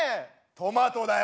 トマトだよ！